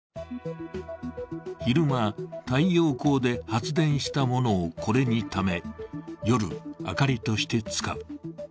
昼間、太陽光で発電したものをこれにため、夜、明かりとして使う。